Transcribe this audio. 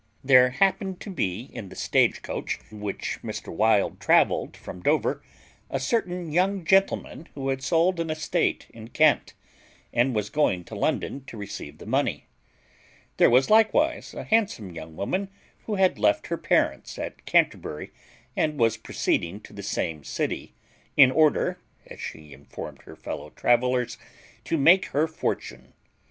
There happened to be in the stage coach in which Mr. Wild travelled from Dover a certain young gentleman who had sold an estate in Kent, and was going to London to receive the money. There was likewise a handsome young woman who had left her parents at Canterbury, and was proceeding to the same city, in order (as she informed her fellow travellers) to make her fortune.